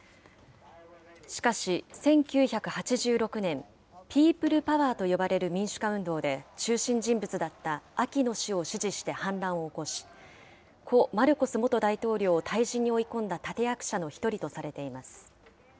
しかし、１９８６年、ピープルパワーと呼ばれる民主化運動で、中心人物だったアキノ氏を支持して反乱を起こし、故・マルコス元大統領を退陣に追い込んだ立て役者の一人とされています。